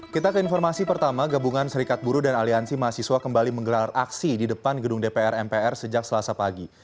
kita ke informasi pertama gabungan serikat buruh dan aliansi mahasiswa kembali menggelar aksi di depan gedung dpr mpr sejak selasa pagi